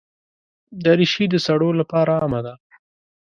دریشي د سړو لپاره عامه ده.